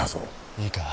いいか？